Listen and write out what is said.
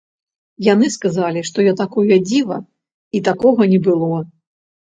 Яны сказалі, што я такое дзіва і такога не было.